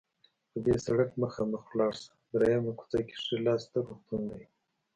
په دې سړک مخامخ لاړ شه، دریمه کوڅه کې ښي لاس ته روغتون ده.